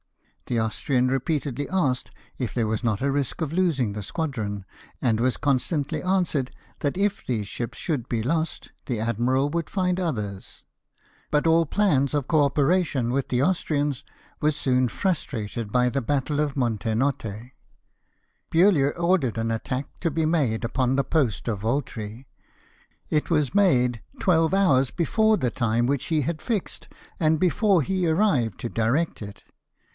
The Austrian repeatedly asked if there was not a risk of losing the squadron, and was constantly answered that if these ships should be lost the admiral would find others. But all plans of co operation with the Austrians were soon frustrated by the battle of Montenotte. Beauheu ordered an attack to be made upon the post of Voltri; it was made twelve hours before the time which he had fixed, and before he arrived to direct it.